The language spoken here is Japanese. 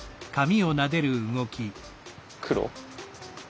黒。